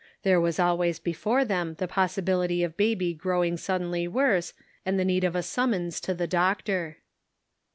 There was always before them the possbility of baby growing suddenly worse, and the need of a summons to the doctor.